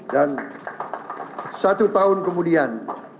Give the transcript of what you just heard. dan satu tahun kemudian